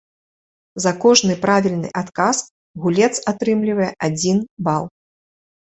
За кожны правільны адказ гулец атрымлівае адзін бал.